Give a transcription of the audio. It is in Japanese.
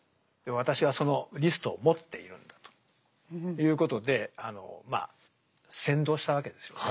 私はそのリストを持っているんだということでまあ扇動したわけですよね。